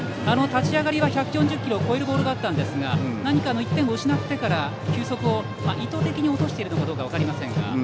立ち上がりは１４０キロを超えるボールがあったんですが何か、１点を失ってから球速を意図的に落としているのかどうか分かりませんが。